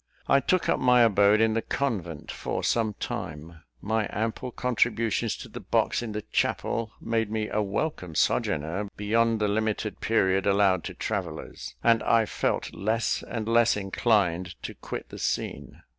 I took up my abode in the convent for some time; my ample contributions to the box in the chapel, made me a welcome sojourner beyond the limited period allowed to travellers, and I felt less and less inclined to quit the scene.